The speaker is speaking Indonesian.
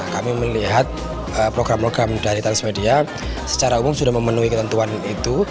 kami melihat program program dari transmedia secara umum sudah memenuhi ketentuan itu